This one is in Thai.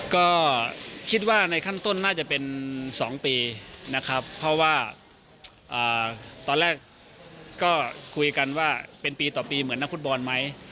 ก็คิดว่าในขั้นต้นน่าจะเป็น๒ปีนะครับเพราะว่าตอนแรกก็คุยกันว่าเป็นปีต่อปีเหมือนนักฟุตบอลไหม